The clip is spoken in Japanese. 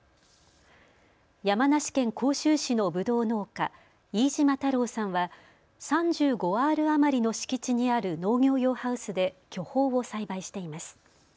山梨県甲州市のぶどう農家、飯島太郎さんは３５アール余りの敷地にある農業用ハウスで巨峰を栽培しています。